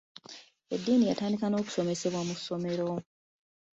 Eddiini yatandika n’okusomesebwa mu masomero.